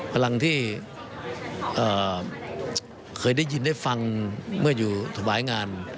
พลังที่เคยได้ยินได้ฟังเมื่ออยู่ถวายงาน